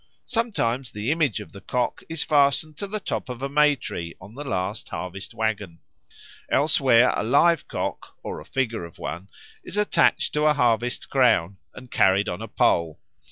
Sometimes the image of the cock is fastened to the top of a May tree on the last harvest waggon. Elsewhere a live cock, or a figure of one, is attached to a harvest crown and carried on a pole.